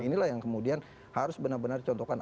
inilah yang kemudian harus benar benar dicontohkan